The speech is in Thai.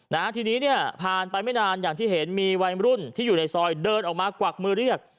นะฮะทีนี้เนี่ยผ่านไปไม่นานอย่างที่เห็นมีวัยรุ่นที่อยู่ในซอยเดินออกมากวักมือเรียก